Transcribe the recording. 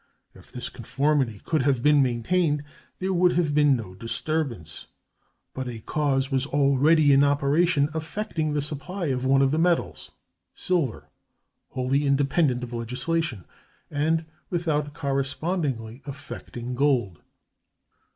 If this conformity could have been maintained, there would have been no disturbance. But a cause was already in operation affecting the supply of one of the metals—silver—wholly independent of legislation, and without correspondingly affecting gold.